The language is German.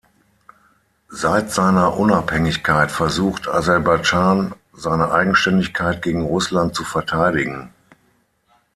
Seit seiner Unabhängigkeit versucht Aserbaidschan, seine Eigenständigkeit gegen Russland zu verteidigen.